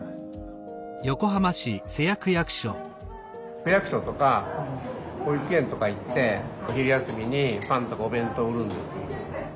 区役所とか保育園とか行ってお昼休みにパンとかお弁当売るんです。